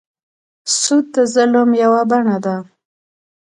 سود د ظلم یوه بڼه ده.